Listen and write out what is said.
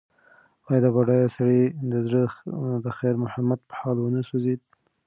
ایا د بډایه سړي زړه د خیر محمد په حال ونه سوځېد؟